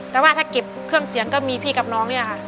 แต่ว่าถ้าเก็บเครื่องเสียงก็มีพี่กับน้องเนี่ยค่ะ